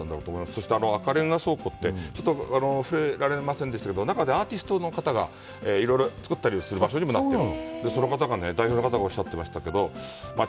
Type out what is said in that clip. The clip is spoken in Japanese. そして、あの赤れんが倉庫ってちょっと触れられませんでしたけど、中でアーティストの方がいろいろ作ったりする場所にもなってる。